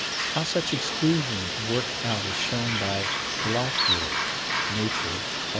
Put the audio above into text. How such exclusions work out is shown by Lockyer (Nature, Aug.